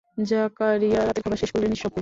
জাকারিয়া রাতের খাবার শেষ করলেন নিঃশব্দে।